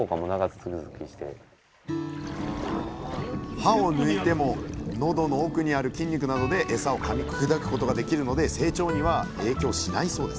歯を抜いてものどの奥にある筋肉などでエサをかみ砕くことができるので成長には影響しないそうです